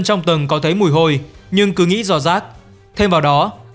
trong tầng có thấy mùi hôi nhưng cứ nghĩ dò rác thêm vào đó tầng có lập một nhóm gia lô nhưng